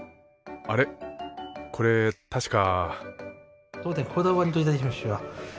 あれこれ確か。